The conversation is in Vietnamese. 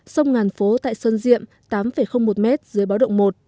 sông ngàn phố tại sơn diệm tám một m dưới báo động một